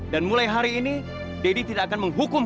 dan mulai hari ini daddy tidak akan menghukum